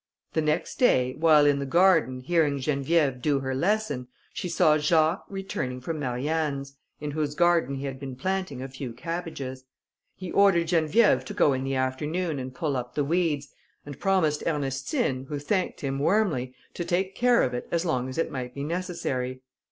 The next day, while in the garden hearing Geneviève her lesson, she saw Jacques returning from Marianne's, in whose garden he had been planting a few cabbages. He ordered Geneviève to go in the afternoon, and pull up the weeds, and promised Ernestine, who thanked him warmly, to take care of it as long as it might be necessary.